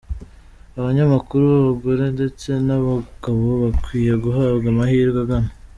Abanyamakuru b’abagore ndetse n’abagabo bakwiye guhabwa amahirwe angana.